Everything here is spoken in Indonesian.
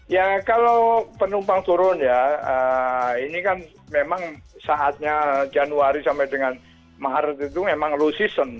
ya kalau penumpang turun ya ini kan memang saatnya januari sampai dengan maret itu memang low season